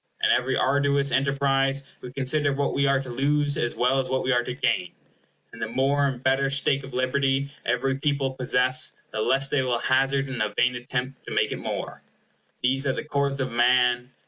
In every arduous enterprise we consider what we are to lose, as well as what we are to gain; and the more and better stake of liberty every people possess, the less they will hazard in a vain attempt to make it more. These are the cords of man.